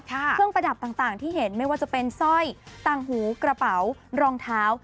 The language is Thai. เครื่องประดับต่างที่เห็นไม่ว่าจะเป็นสร้อยต่างหูกระเป๋ารองเท้า